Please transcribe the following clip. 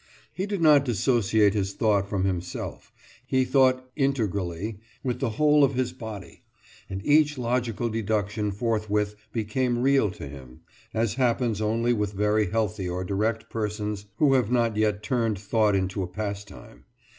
He did not dissociate his thought from himself; he thought integrally, with the whole of his body; and each logical deduction forthwith became real to him as happens only with very healthy or direct persons who have not yet turned thought into a pastime.